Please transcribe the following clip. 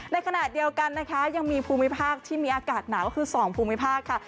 ในขณะเดียวกันนะคะยังมีภูมิภาคที่มีอากาศหนาวก็คือ๒ภูมิภาคค่ะ